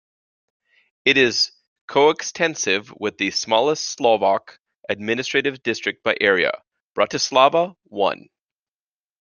It is coextensive with the smallest Slovak administrative district by area, Bratislava I.